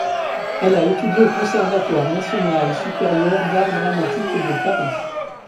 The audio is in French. Elle a étudié au Conservatoire national supérieur d'art dramatique de Paris.